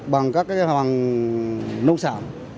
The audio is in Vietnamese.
bằng các hàng nông sản